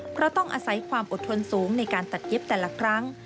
เพราะต้องอาศัยความอดทนสูงในการตัดเย็บแต่ละครั้ง